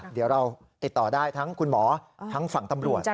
เดี๋ยวเราติดต่อได้ทั้งคุณหมอทั้งฝั่งตำรวจ